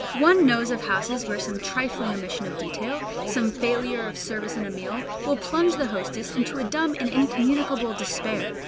One knows of houses where some trifling omission of detail, some failure of service in a meal, will plunge the hostess into a dumb and incommunicable despair.